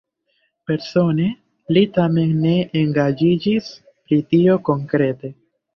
Persone li tamen ne engaĝiĝis pri tio konkrete.